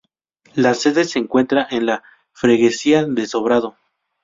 La sede se encuentra en la freguesía de Sobrado.